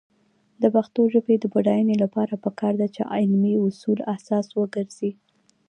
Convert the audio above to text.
د پښتو ژبې د بډاینې لپاره پکار ده چې علمي اصول اساس وګرځي.